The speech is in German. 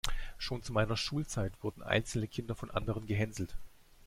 Schon zu meiner Schulzeit wurden einzelne Kinder von anderen gehänselt.